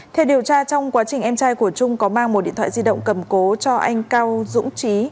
theo điều tra trong quá trình em trai của trung có mang một điện thoại di động cầm cố cho anh cao dũng trí